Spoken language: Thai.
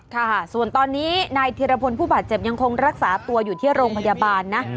ค่ะส่วนตอนนี้นายธิรพลผู้บาดเจ็บยังคงรักษาตัวอยู่ที่โรงพยาบาลนะ